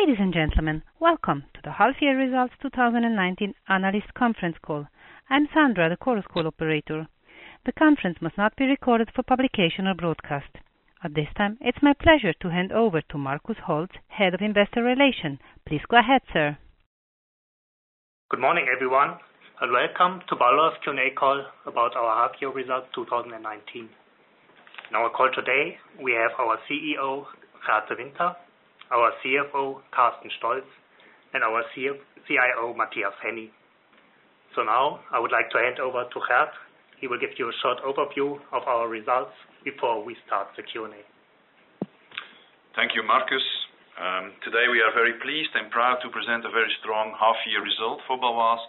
Ladies and gentlemen, welcome to the half year results 2019 analyst conference call. I'm Sandra, the conference call operator. The conference must not be recorded for publication or broadcast. At this time, it's my pleasure to hand over to Markus Holtz, Head of Investor Relations. Please go ahead, sir. Good morning, everyone, and welcome to Bâloise Q&A call about our half year results 2019. On our call today, we have our CEO, Gert De Winter, our CFO, Carsten Stolz, and our CIO, Matthias Henny. Now I would like to hand over to Gert. He will give you a short overview of our results before we start the Q&A. Thank you, Markus. Today, we are very pleased and proud to present a very strong half year result for Bâloise,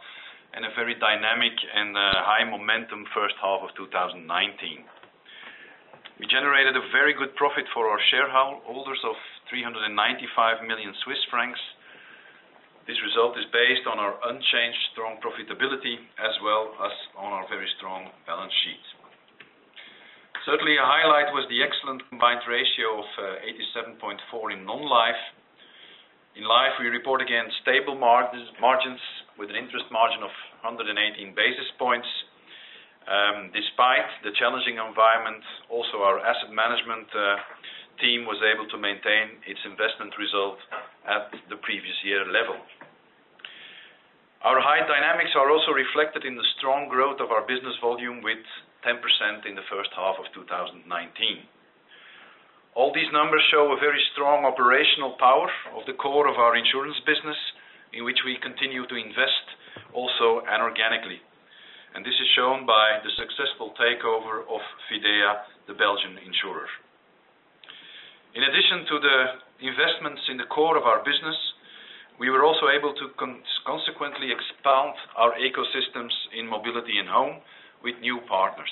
and a very dynamic and high momentum first half of 2019. We generated a very good profit for our shareholders of 395 million Swiss francs. This result is based on our unchanged strong profitability, as well as on our very strong balance sheet. Certainly, a highlight was the excellent combined ratio of 87.4% in non-life. In life, we report again stable margins with an interest margin of 118 basis points. Despite the challenging environment, also our asset management team was able to maintain its investment result at the previous year level. Our high dynamics are also reflected in the strong growth of our business volume, with 10% in the first half of 2019. All these numbers show a very strong operational power of the core of our insurance business, in which we continue to invest also and organically. This is shown by the successful takeover of Fidea, the Belgian insurer. In addition to the investments in the core of our business, we were also able to consequently expand our ecosystems in mobility and home with new partners.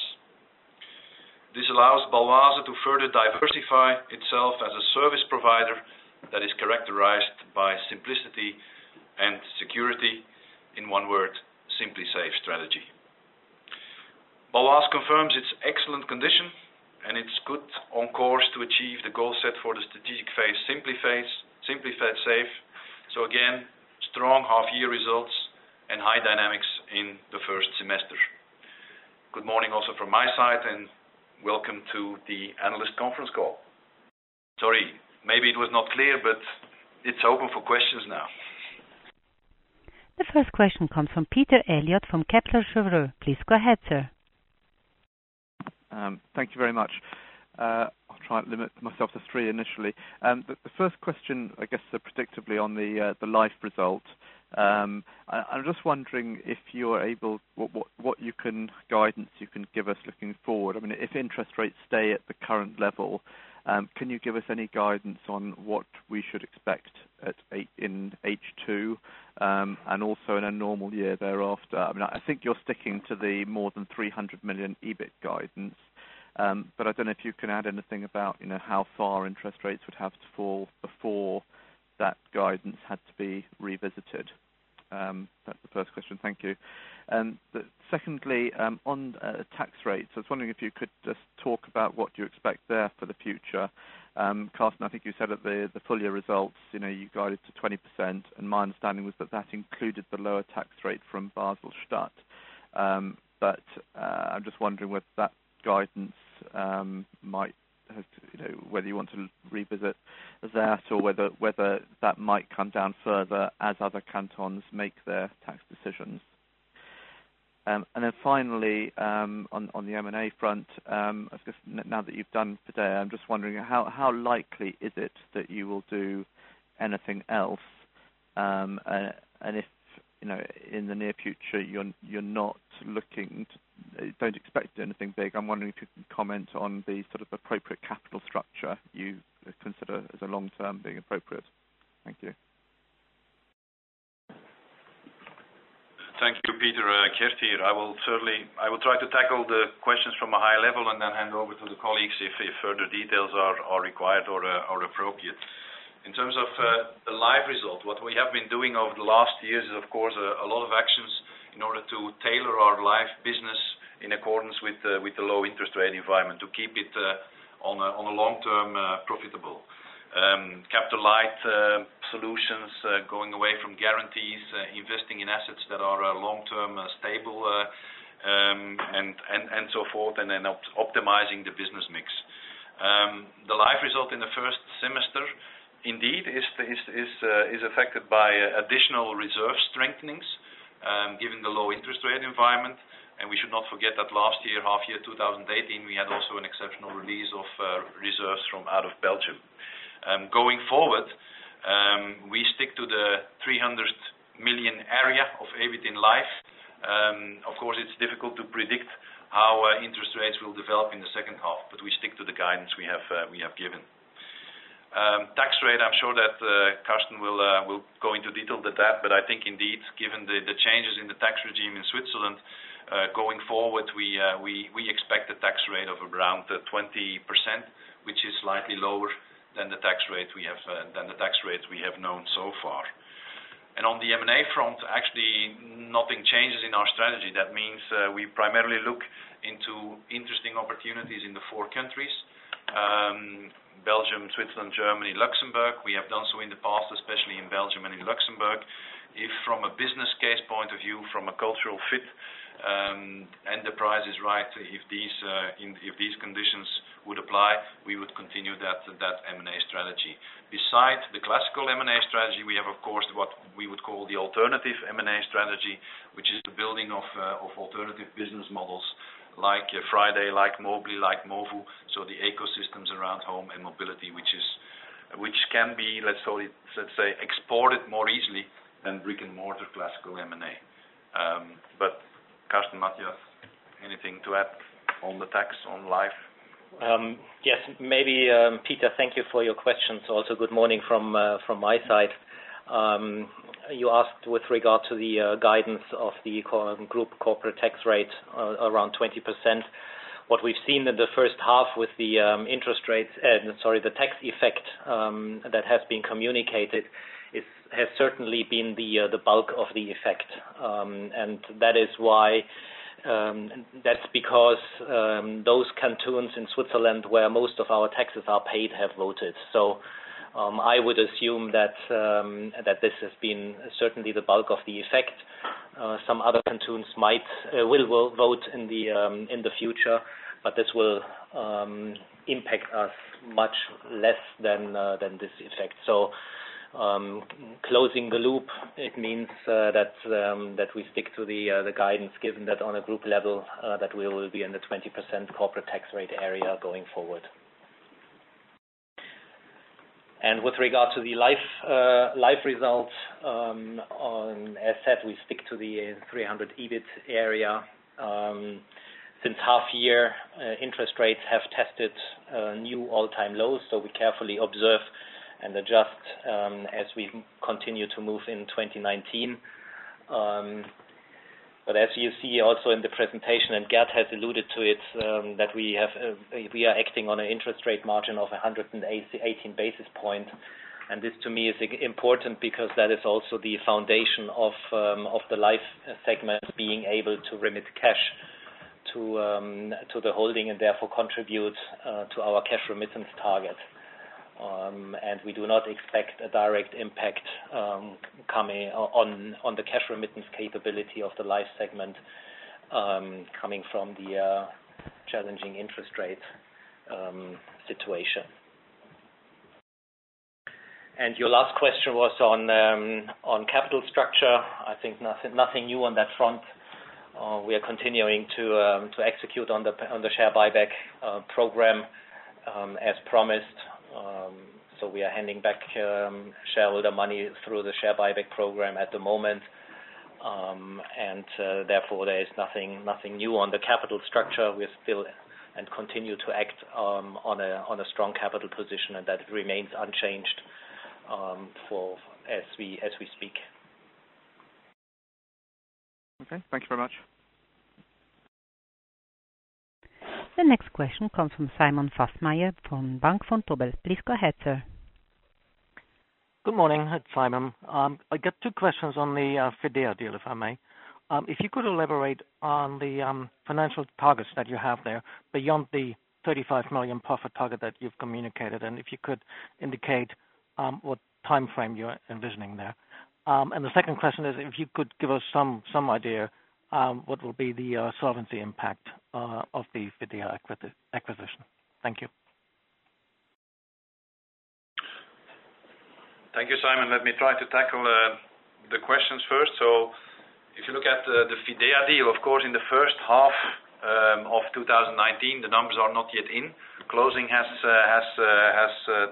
This allows Bâloise to further diversify itself as a service provider that is characterized by simplicity and security. In one word, Simply Safe strategy. Bâloise confirms its excellent condition, and it's good on course to achieve the goal set for the strategic phase, Simply Safe. Again, strong half-year results and high dynamics in the first semester. Good morning also from my side and welcome to the analyst conference call. Sorry, maybe it was not clear, but it's open for questions now. The first question comes from Peter Eliot from Kepler Cheuvreux. Please go ahead, sir. Thank you very much. I'll try and limit myself to three initially. The first question, I guess, predictably on the life result. I'm just wondering if you are able, what guidance you can give us looking forward. If interest rates stay at the current level, can you give us any guidance on what we should expect in H2 and also in a normal year thereafter? I think you're sticking to the more than 300 million EBIT guidance. I don't know if you can add anything about how far interest rates would have to fall before that guidance had to be revisited. That's the first question. Thank you. Secondly, on tax rates, I was wondering if you could just talk about what you expect there for the future. Carsten, I think you said at the full year results, you guided to 20%, and my understanding was that that included the lower tax rate from Basel-Stadt. I'm just wondering whether you want to revisit that or whether that might come down further as other cantons make their tax decisions. Finally, on the M&A front, I guess now that you've done Fidea, I'm just wondering how likely is it that you will do anything else? If in the near future you're not looking, don't expect anything big, I'm wondering if you could comment on the appropriate capital structure you consider as a long-term being appropriate. Thank you. Thank you, Peter. Gert here. I will try to tackle the questions from a high level and then hand over to the colleagues if further details are required or appropriate. In terms of the life result, what we have been doing over the last years is, of course, a lot of actions in order to tailor our life business in accordance with the low interest rate environment, to keep it on a long-term profitable. Capital light solutions, going away from guarantees, investing in assets that are long-term stable, and so forth, and then optimizing the business mix. The life result in the first semester indeed is affected by additional reserve strengthenings, given the low interest rate environment. We should not forget that last year, half year 2018, we had also an exceptional release of reserves from out of Belgium. Going forward, we stick to the 300 million area of EBIT in life. Of course, it's difficult to predict how interest rates will develop in the second half, but we stick to the guidance we have given. Tax rate, I'm sure that Carsten will go into detail with that, but I think indeed, given the changes in the tax regime in Switzerland, going forward, we expect a tax rate of around 20%, which is slightly lower than the tax rate we have known so far. On the M&A front, actually nothing changes in our strategy. That means we primarily look into interesting opportunities in the four countries, Belgium, Switzerland, Germany, Luxembourg. We have done so in the past, especially in Belgium and in Luxembourg. If from a business case point of view, from a cultural fit, and the price is right, if these conditions would apply, we would continue that M&A strategy. Beside the classical M&A strategy, we have, of course, what we would call the alternative M&A strategy, which is the building of alternative business models like FRIDAY, like Mobly, like Movu, so the ecosystems around home and mobility, which can be, let's say, exported more easily than brick-and-mortar classical M&A. Carsten, Matthias, anything to add on the tax, on life? Maybe. Peter, thank you for your questions. Also good morning from my side. You asked with regard to the guidance of the group corporate tax rate around 20%. What we've seen in the first half with the tax effect that has been communicated, has certainly been the bulk of the effect. That's because those cantons in Switzerland where most of our taxes are paid have voted. I would assume that this has been certainly the bulk of the effect. Some other cantons will vote in the future, this will impact us much less than this effect. Closing the loop, it means that we stick to the guidance given that on a group level, that we will be in the 20% corporate tax rate area going forward. With regard to the life results, as said, we stick to the 300 EBIT area. Since half year, interest rates have tested new all-time lows, we carefully observe and adjust as we continue to move in 2019. As you see also in the presentation, and Gert has alluded to it, that we are acting on an interest rate margin of 118 basis points. This to me is important because that is also the foundation of the life segment being able to remit cash to the holding and therefore contribute to our cash remittance target. We do not expect a direct impact on the cash remittance capability of the life segment coming from the challenging interest rate situation. Your last question was on capital structure. I think nothing new on that front. We are continuing to execute on the share buyback program as promised. We are handing back shareholder money through the share buyback program at the moment. Therefore, there is nothing new on the capital structure. We still and continue to act on a strong capital position, and that remains unchanged as we speak. Okay. Thank you very much. The next question comes from Simon Fössmeier from Bank Vontobel. Please go ahead, sir. Good morning. It's Simon. I got two questions on the Fidea deal, if I may. If you could elaborate on the financial targets that you have there beyond the 35 million profit target that you've communicated, and if you could indicate what time frame you're envisioning there. The second question is, if you could give us some idea what will be the solvency impact of the Fidea acquisition. Thank you. Thank you, Simon. Let me try to tackle the questions first. If you look at the Fidea deal, of course, in the first half of 2019, the numbers are not yet in. Closing has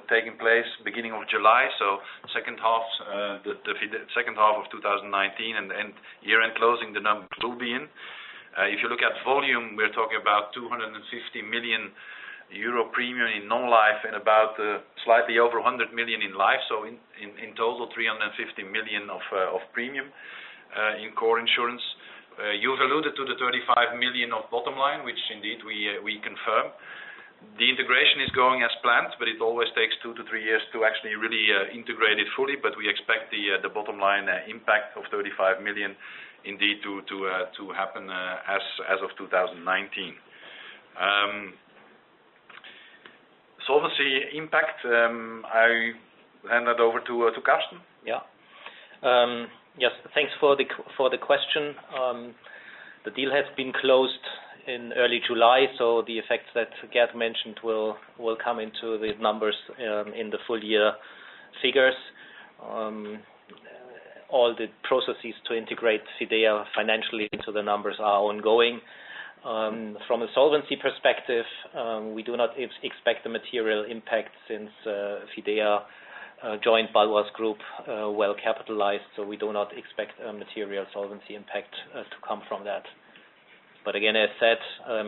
taken place beginning of July, the second half of 2019 and year-end closing, the numbers will be in. If you look at volume, we're talking about 250 million euro premium in non-life and about slightly over 100 million in life. In total, 350 million of premium in core insurance. You've alluded to the 35 million of bottom line, which indeed we confirm. The integration is going as planned, but it always takes two to three years to actually really integrate it fully. We expect the bottom line impact of 35 million indeed to happen as of 2019. Solvency impact, I hand that over to Carsten. Yeah. Yes. Thanks for the question. The deal has been closed in early July. The effects that Gert mentioned will come into the numbers in the full year figures. All the processes to integrate Fidea financially into the numbers are ongoing. From a solvency perspective, we do not expect a material impact since Fidea joined Bâloise Group well-capitalized. We do not expect a material solvency impact to come from that. Again, as said,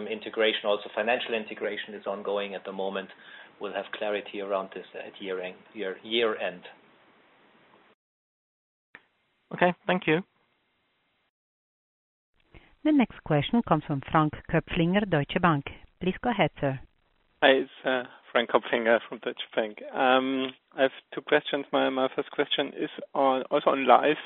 integration, also financial integration, is ongoing at the moment. We'll have clarity around this at year-end. Okay. Thank you. The next question comes from Frank Kopfinger, Deutsche Bank. Please go ahead, sir. Hi, it's Frank Kopfinger from Deutsche Bank. I have two questions. My first question is also on Life.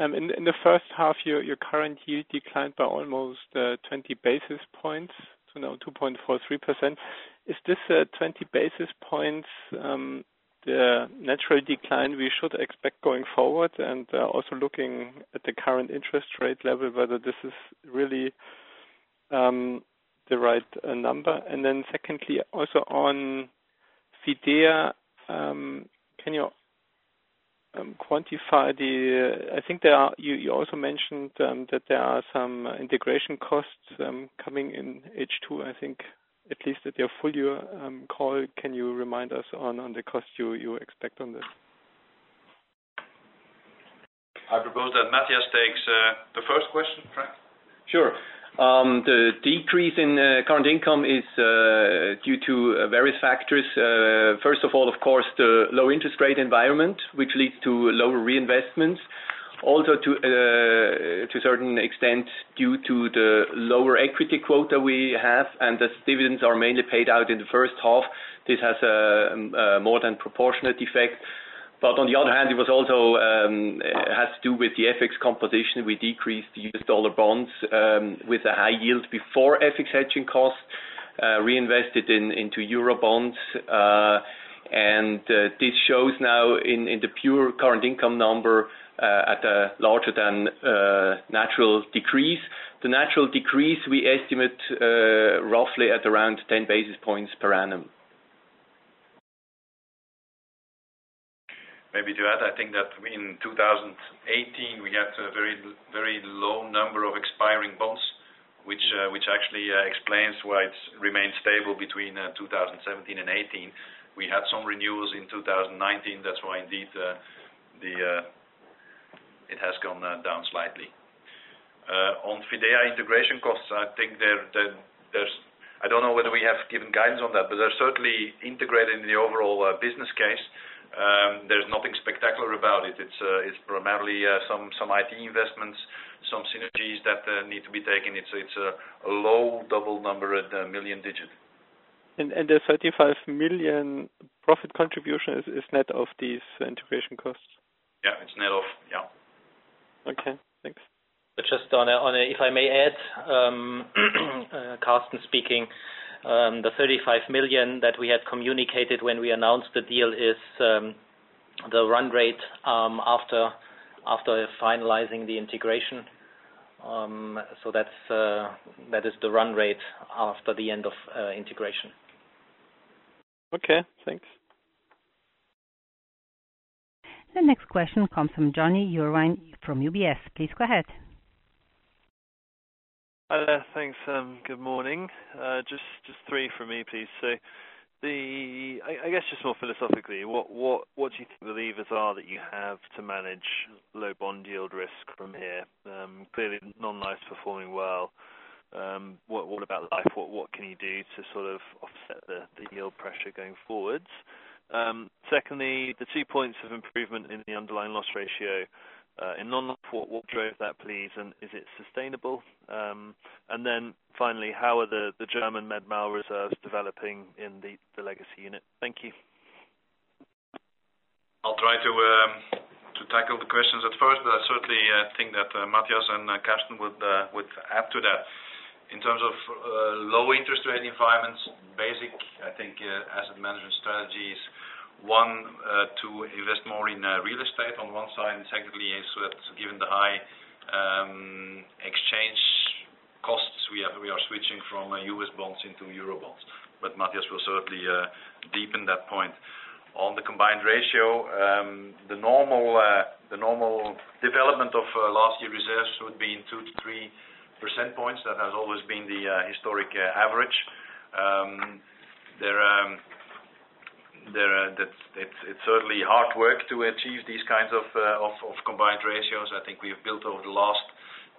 In the first half, your current yield declined by almost 20 basis points to now 2.43%. Is this 20 basis points the natural decline we should expect going forward? Also looking at the current interest rate level, whether this is really the right number. Secondly, also on Fidea, I think you also mentioned that there are some integration costs coming in H2, I think, at least at your full year call. Can you remind us on the cost you expect on this? I propose that Matthias takes the first question, Frank. Sure. The decrease in current income is due to various factors. First of all, of course, the low interest rate environment, which leads to lower reinvestments. Also, to a certain extent, due to the lower equity quota we have and as dividends are mainly paid out in the first half, this has a more than proportionate effect. On the other hand, it also has to do with the FX composition. We decreased US dollar bonds with a high yield before FX hedging costs, reinvested into euro bonds. This shows now in the pure current income number at a larger than natural decrease. The natural decrease we estimate roughly at around 10 basis points per annum. Maybe to add, I think that in 2018, we had a very low number of expiring bonds, which actually explains why it remained stable between 2017 and 2018. We had some renewals in 2019. That's why indeed it has gone down slightly. On Fidea integration costs, I don't know whether we have given guidance on that, but they're certainly integrated in the overall business case. There's nothing spectacular about it. It's primarily some IT investments, some synergies that need to be taken. It's a low double number at the million digit. The 35 million profit contribution is net of these integration costs? Yeah, it's net of. Yeah. Okay, thanks. Just if I may add, Carsten speaking. The 35 million that we had communicated when we announced the deal is the run rate after finalizing the integration. That is the run rate after the end of integration. Okay, thanks. The next question comes from Jonny Urwin from UBS. Please go ahead. Hi there. Thanks. Good morning. Just three from me, please. I guess just more philosophically, what do you think the levers are that you have to manage low bond yield risk from here? Clearly, non-life's performing well. What about life? What can you do to sort of offset the yield pressure going forwards? Secondly, the two points of improvement in the underlying loss ratio in non-life, what drove that, please, and is it sustainable? Finally, how are the German med mal reserves developing in the legacy unit? Thank you. I'll try to tackle the questions at first. I certainly think that Matthias and Carsten would add to that. In terms of low interest rate environments, basic, I think, asset management strategies, one, to invest more in real estate on one side. Secondly, is with, given the high exchange costs, we are switching from U.S. bonds into euro bonds. Matthias will certainly deepen that point. On the combined ratio, the normal development of last year reserves would be in 2% to 3% points. That has always been the historic average. It's certainly hard work to achieve these kinds of combined ratios. I think we have built over the last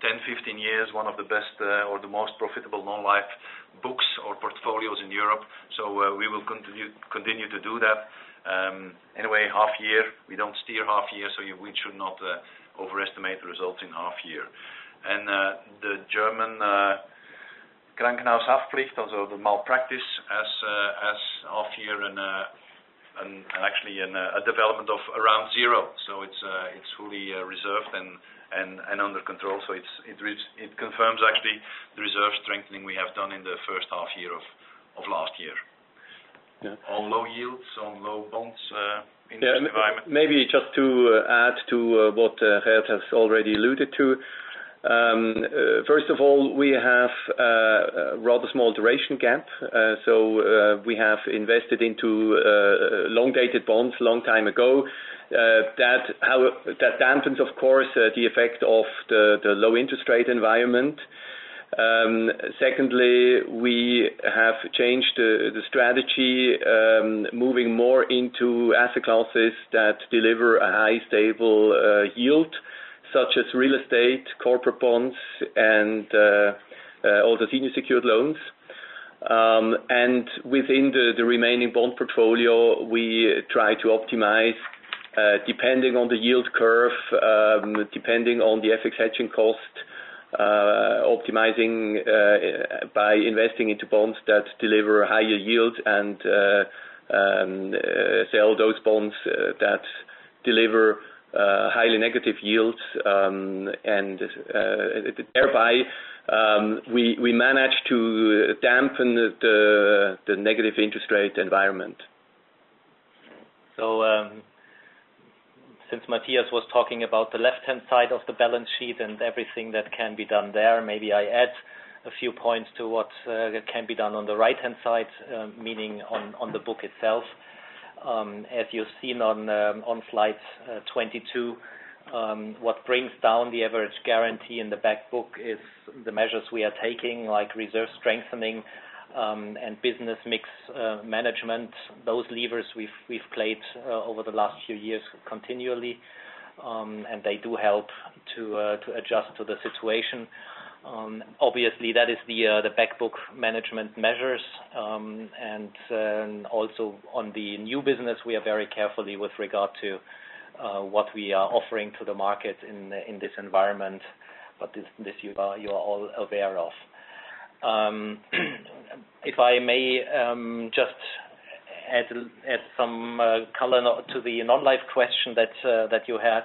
10, 15 years, one of the best or the most profitable non-life books or portfolios in Europe, so we will continue to do that. Half year, we don't steer half year, we should not overestimate the results in half year. The German malpractice has half year and actually a development of around zero. It's fully reserved and under control. It confirms actually the reserve strengthening we have done in the first half year of last year. Yeah. On low yields, on low bonds in this environment. Maybe just to add to what Gert has already alluded to. First of all, we have a rather small duration gap. We have invested into long-dated bonds a long time ago. That dampens, of course, the effect of the low interest rate environment. Secondly, we have changed the strategy, moving more into asset classes that deliver a high, stable yield, such as real estate, corporate bonds, and all the senior secured loans. Within the remaining bond portfolio, we try to optimize depending on the yield curve, depending on the FX hedging cost, optimizing by investing into bonds that deliver higher yields and sell those bonds that deliver highly negative yields. Thereby, we manage to dampen the negative interest rate environment. Since Matthias was talking about the left-hand side of the balance sheet and everything that can be done there, maybe I add a few points to what can be done on the right-hand side, meaning on the book itself. As you've seen on slide 22, what brings down the average guarantee in the back book is the measures we are taking, like reserve strengthening and business mix management. Those levers we've played over the last few years continually, and they do help to adjust to the situation. Obviously, that is the back book management measures. Also on the new business, we are very carefully with regard to what we are offering to the market in this environment. This you are all aware of. If I may just add some color to the non-life question that you had.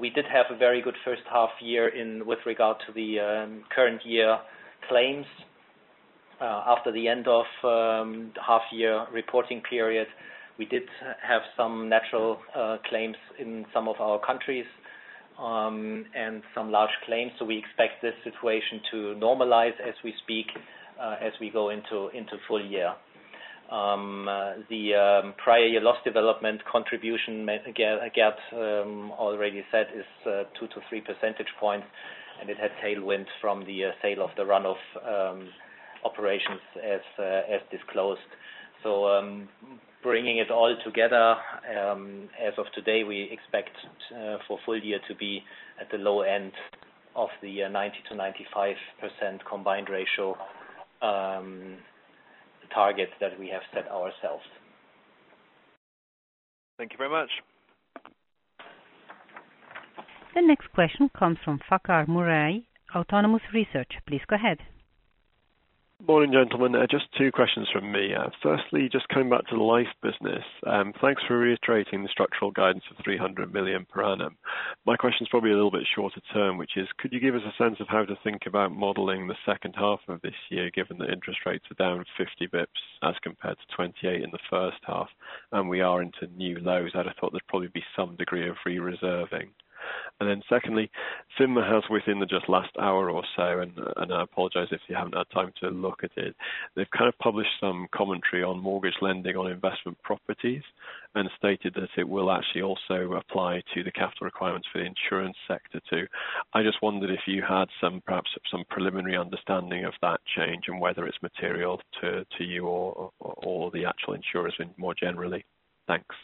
We did have a very good first half year with regard to the current year claims. After the end of half year reporting period, we did have some natural claims in some of our countries, and some large claims. We expect this situation to normalize as we speak, as we go into full year. The Prior Year Development contribution gap already said is two to three percentage points, and it had tailwinds from the sale of the run-off operations as disclosed. Bringing it all together, as of today, we expect for full year to be at the low end of the 90%-95% combined ratio, the target that we have set ourselves. Thank you very much. The next question comes from Farquhar Murray, Autonomous Research. Please go ahead. Morning, gentlemen. Just two questions from me. Firstly, just coming back to the life business. Thanks for reiterating the structural guidance of 300 million per annum. My question is probably a little bit shorter term, which is, could you give us a sense of how to think about modeling the second half of this year, given that interest rates are down 50 basis points as compared to 28 basis points in the first half, and we are into new lows? I'd have thought there'd probably be some degree of re-reserving. Secondly, FINMA has within just the last hour or so, and I apologize if you haven't had time to look at it. They've kind of published some commentary on mortgage lending on investment properties and stated that it will actually also apply to the capital requirements for the insurance sector too. I just wondered if you had perhaps some preliminary understanding of that change and whether it's material to you or the actual insurance more generally. Thanks. Thanks,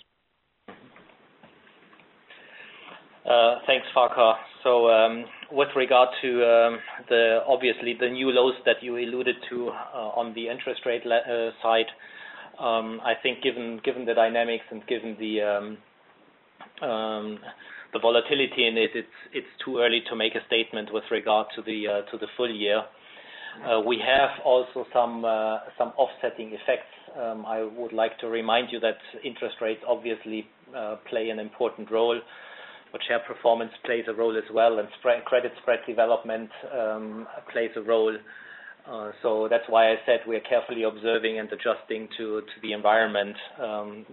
Farquhar. With regard to obviously the new lows that you alluded to on the interest rate side. I think given the dynamics and given the volatility in it is too early to make a statement with regard to the full year. We have also some offsetting effects. I would like to remind you that interest rates obviously play an important role, but share performance plays a role as well, and credit spread development plays a role. That's why I said we are carefully observing and adjusting to the environment.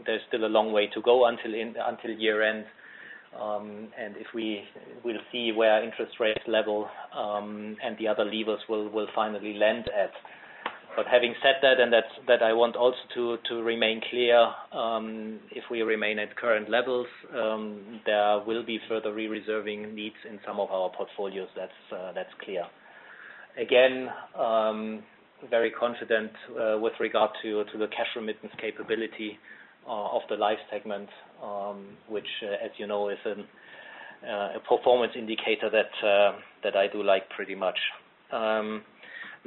There's still a long way to go until year-end. If we will see where interest rates level, and the other levers will finally lend at. Having said that, and that I want also to remain clear, if we remain at current levels, there will be further re-reserving needs in some of our portfolios, that's clear. Again, very confident with regard to the cash remittance capability of the life segment, which, as you know, is a performance indicator that I do like pretty much.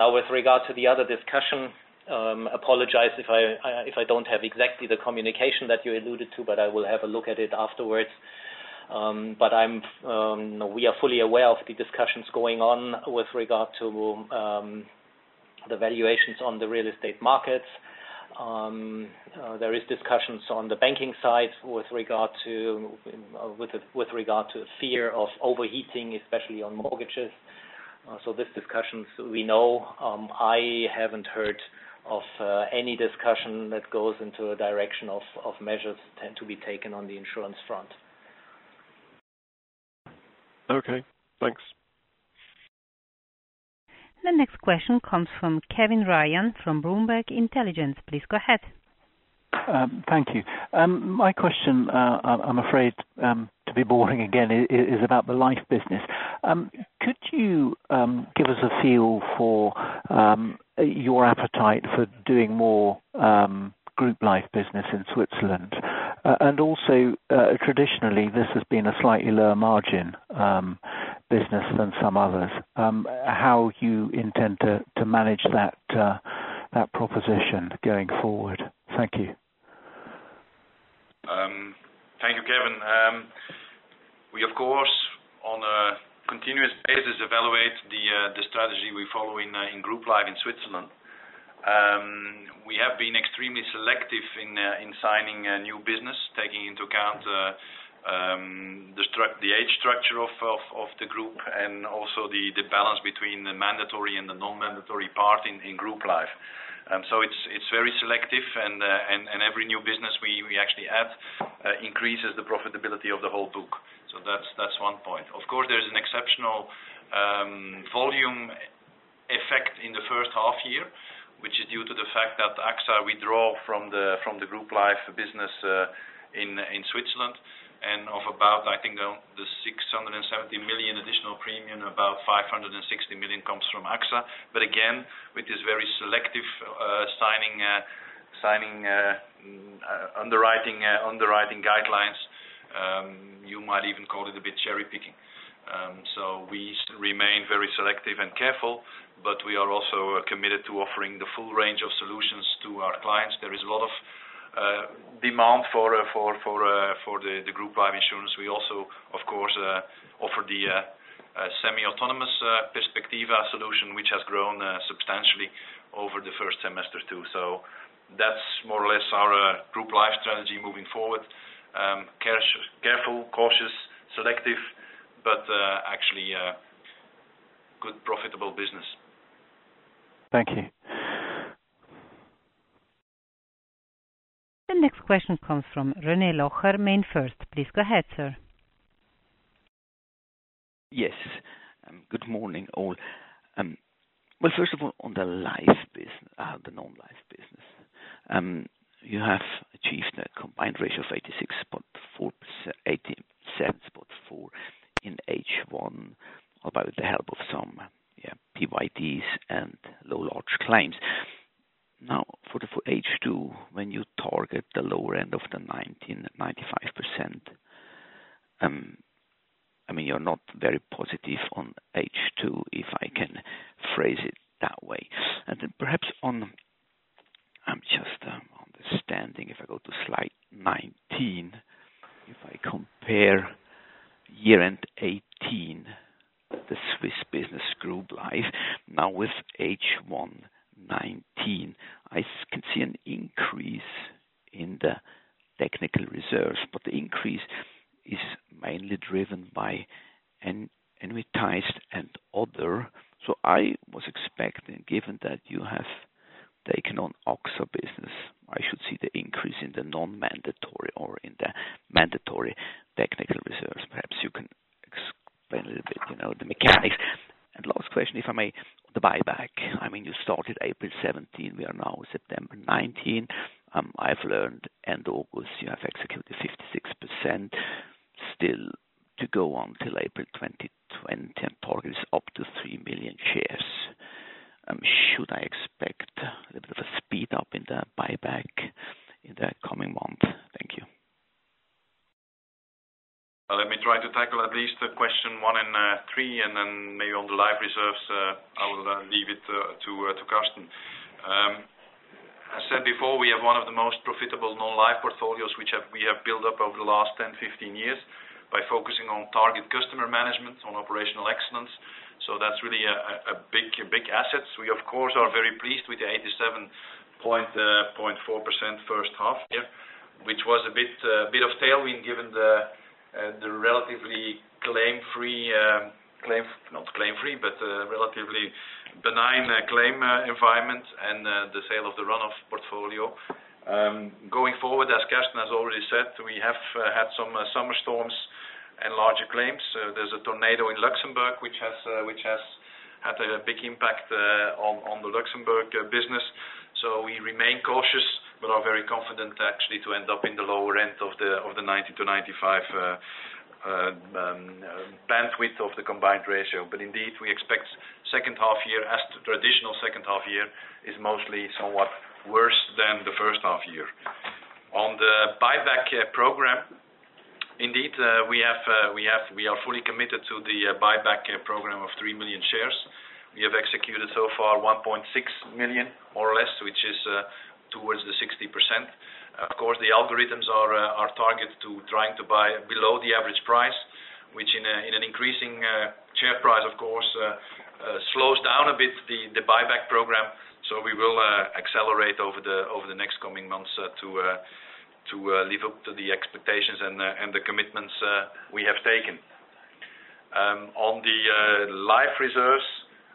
With regard to the other discussion, Apologize if I don't have exactly the communication that you alluded to, but I will have a look at it afterwards. We are fully aware of the discussions going on with regard to the valuations on the real estate markets. There is discussions on the banking side with regard to fear of overheating, especially on mortgages. These discussions, we know. I haven't heard of any discussion that goes into a direction of measures tend to be taken on the insurance front. Okay, thanks. The next question comes from Kevin Ryan from Bloomberg Intelligence. Please go ahead. Thank you. My question, I'm afraid to be boring again, is about the life business. Could you give us a feel for your appetite for doing more Group Life business in Switzerland? Traditionally, this has been a slightly lower margin business than some others. How you intend to manage that proposition going forward? Thank you. Thank you, Kevin. We, of course, on a continuous basis evaluate the strategy we follow in Group Life in Switzerland. We have been extremely selective in signing new business, taking into account the age structure of the group and also the balance between the mandatory and the non-mandatory part in Group Life. It is very selective and every new business we actually add increases the profitability of the whole book. That is one point. Of course, there is an exceptional volume effect in the first half year, which is due to the fact that AXA withdrew from the Group Life business in Switzerland and of about, I think the 670 million additional premium, about 560 million comes from AXA. Again, with this very selective signing, underwriting guidelines, you might even call it a bit cherry-picking. We remain very selective and careful, but we are also committed to offering the full range of solutions to our clients. There is a lot of demand for the Group Life insurance. We also, of course, offer the semi-autonomous Perspectiva solution, which has grown substantially over the first semester, too. That's more or less our Group Life strategy moving forward. Careful, cautious, selective, but actually good profitable business. Thank you. The next question comes from René Locher, MainFirst. Please go ahead, sir. Good morning, all. First of all, on the non-life business. You have achieved a combined ratio of 87.4 in H1, although with the help of some PYDs and low large claims. For H2, when you target the lower end of the 90%-95%. You're not very positive on H2, if I can phrase it that way. Perhaps on, I'm just understanding, if I go to slide 19, if I compare year-end 2018, the Swiss business Group Life now with H1 2019. I can see an increase in the technical reserves, but the increase is mainly driven by annuitized and other. I was expecting, given that you have taken on AXA business, I should see the increase in the non-mandatory or in the mandatory technical reserves. Perhaps you can explain a little bit, the mechanics. Last question, if I may. The buyback. You started April 17. We are now September 19. I've learned end August, you have executed 56%. Still to go on till April 2020 and targets up to 3 million shares. Should I expect a bit of a speed up in the buyback in the coming months? Thank you. Let me try to tackle at least question one and three, and then maybe on the live reserves, I will leave it to Carsten. I said before, we have one of the most profitable non-life portfolios, which we have built up over the last 10, 15 years by focusing on target customer management, on operational excellence. That's really a big asset. We, of course, are very pleased with the 87.4% first half year, which was a bit of tailwind given the relatively claim-free, not claim-free, but relatively benign claim environment and the sale of the run-off portfolio. Going forward, as Carsten has already said, we have had some summer storms and larger claims. There's a tornado in Luxembourg, which has had a big impact on the Luxembourg business. We remain cautious, but are very confident actually to end up in the lower end of the 90-95 bandwidth of the combined ratio. Indeed, we expect second half year as the traditional second half year is mostly somewhat worse than the first half year. On the buyback program, indeed, we are fully committed to the buyback program of 3 million shares. We have executed so far 1.6 million, more or less, which is towards the 60%. The algorithms are target to trying to buy below the average price, which in an increasing share price, of course, slows down a bit the buyback program. We will accelerate over the next coming months to live up to the expectations and the commitments we have taken. On the life reserves,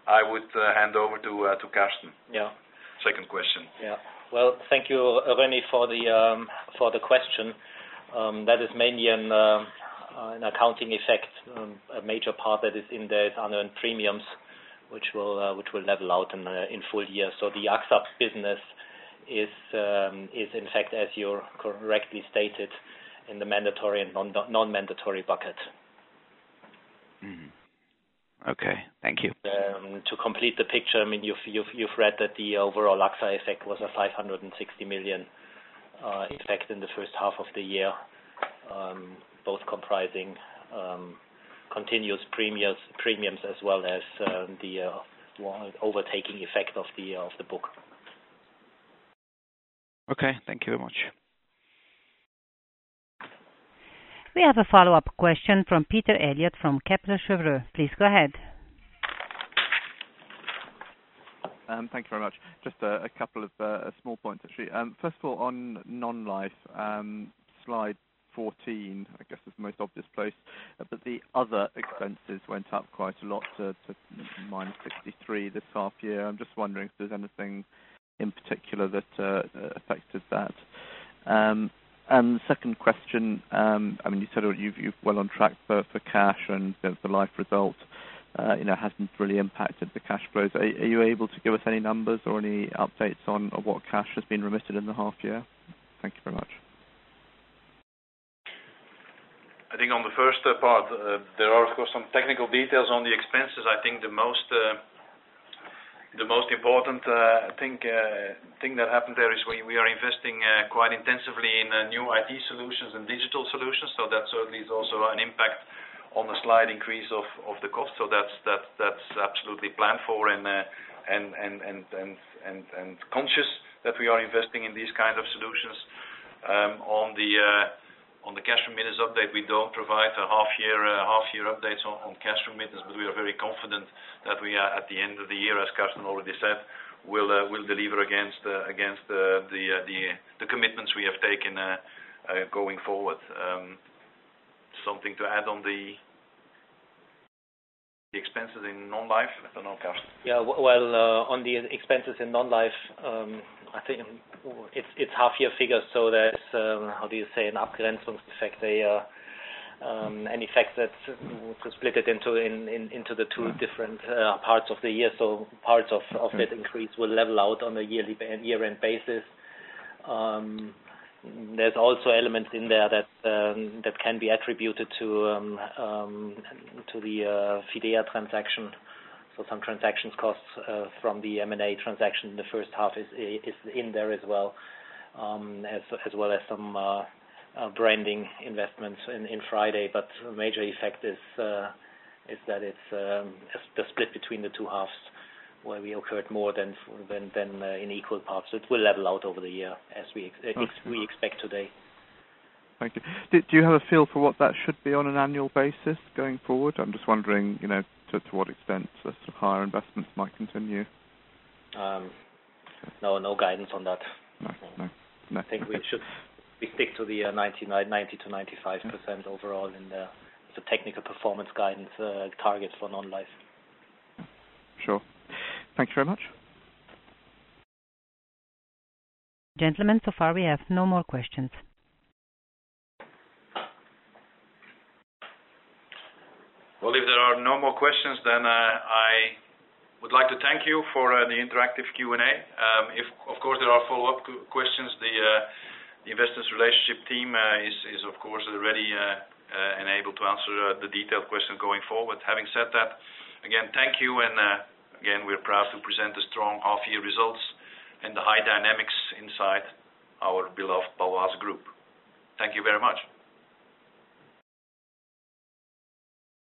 I would hand over to Carsten. Yeah. Second question. Yeah. Well, thank you, René, for the question. That is mainly an accounting effect, a major part that is in the unearned premiums, which will level out in full year. The AXA business is in fact, as you correctly stated, in the mandatory and non-mandatory bucket. Okay. Thank you. To complete the picture, you've read that the overall AXA effect was a 560 million effect in the first half of the year, both comprising continuous premiums as well as the overtaking effect of the book. Okay. Thank you very much. We have a follow-up question from Peter Eliot from Kepler Cheuvreux. Please go ahead. Thank you very much. Just a couple of small points, actually. First of all, on non-life, slide 14, I guess, is the most obvious place. The other expenses went up quite a lot to 63 this half year. I'm just wondering if there's anything in particular that affected that. The second question, you said you're well on track for cash and the life result hasn't really impacted the cash flows. Are you able to give us any numbers or any updates on what cash has been remitted in the half year? Thank you very much. I think on the first part, there are, of course, some technical details on the expenses. I think the most important thing that happened there is we are investing quite intensively in new IT solutions and digital solutions. That certainly is also an impact on the slight increase of the cost. That's absolutely planned for and conscious that we are investing in these kind of solutions. On the cash remittance update, we don't provide half year updates on cash remittance, but we are very confident that we are at the end of the year, as Carsten already said, we'll deliver against the commitments we have taken going forward. Something to add on the expenses in non-life? I don't know, Carsten. Well, on the expenses in non-life, I think it's half-year figures, so there's, how do you say, an effect. An effect that's split into the two different parts of the year. Parts of that increase will level out on a year-end basis. There's also elements in there that can be attributed to the Fidea transaction. Some transactions costs from the M&A transaction in the first half is in there as well, as well as some branding investments in FRIDAY. The major effect is the split between the two halves, where we occurred more than in equal parts. It will level out over the year, as we expect today. Thank you. Do you have a feel for what that should be on an annual basis going forward? I'm just wondering to what extent higher investments might continue. No, no guidance on that. No. I think we stick to the 90%-95% overall in the technical performance guidance targets for non-life. Sure. Thank you very much. Gentlemen, so far we have no more questions. If there are no more questions, I would like to thank you for the interactive Q&A. If, of course, there are follow-up questions, the investors' relationship team is, of course, ready and able to answer the detailed questions going forward. Having said that, again, thank you. Again, we're proud to present the strong half year results and the high dynamics inside our beloved Bâloise Group. Thank you very much.